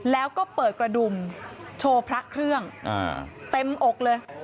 แล้วก็เปิดกระดุมโชว์พระเครื่องเต็มอกเลย